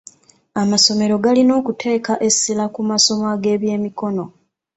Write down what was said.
Amasomero galina okuteeka essira ku masomo ag'ebyemikono.